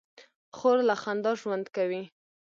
خور له خندا ژوند کوي.